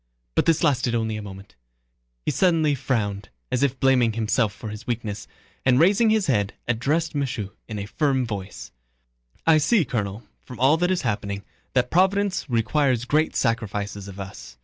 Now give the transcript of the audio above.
But this lasted only a moment. He suddenly frowned, as if blaming himself for his weakness, and raising his head addressed Michaud in a firm voice: "I see, Colonel, from all that is happening, that Providence requires great sacrifices of us...